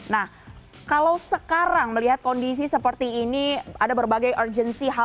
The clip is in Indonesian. nah kalau sekarang melihat kondisi seperti ini ada berbagai urgency